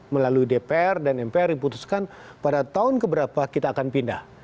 melalui dpr dan mpr diputuskan pada tahun keberapa kita akan pindah